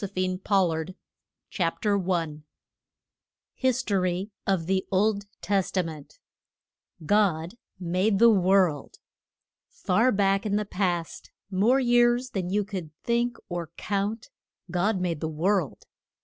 THE LAND OF LIGHT, 412 History of the Old Testament. CHAPTER I. GOD MADE THE WORLD. FAR back in the past, more years than you could think or count, God made the world.